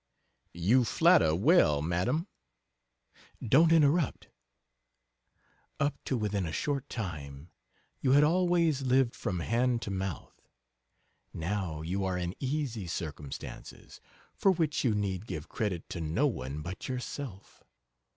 S. L. C. You flatter well, Madame. MADAME. Don't interrupt: Up to within a short time you had always lived from hand to mouth now you are in easy circumstances for which you need give credit to no one but yourself.